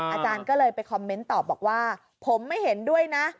อาจารย์ก็เลยไปคอมเมนต์ตอบบอกว่าผมไม่เห็นด้วยนะ